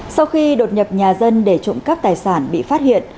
sau khi đột nhập nhà dân để trộm cắp tài sản bị phát hiện